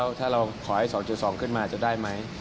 แล้วถ้าเราขอให้๒๒ขึ้นมาจะได้ไหม